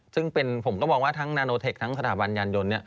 ซึ่งผมก็มองว่าทั้งนาโนเทคทั้งสถาบันยานยนต์